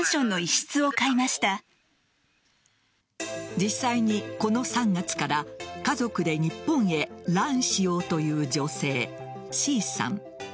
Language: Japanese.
実際にこの３月から家族で日本へ潤しようという女性Ｃさん。